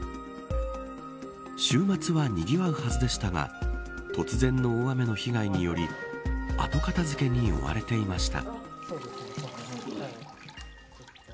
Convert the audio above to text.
週末は、にぎわうはずでしたが突然の大雨の被害により後片付けに追われていました。